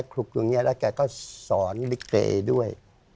แกก็สอนลิเก้ด้วย